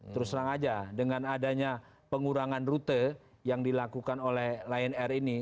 terus terang aja dengan adanya pengurangan rute yang dilakukan oleh lion air ini